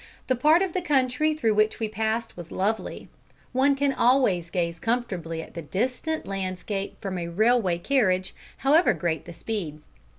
The part of the country through which we passed was lovely. One can always gaze comfortably at the distant landscape from a railway carriage, however great the speed.